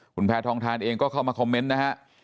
คุณแพทองทานเองก็เข้ามาคอมเมนต์นะฮะ